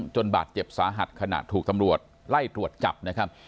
บาดเจ็บสาหัสขณะถูกตำรวจไล่ตรวจจับนะครับ